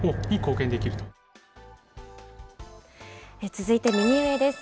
続いて右上です。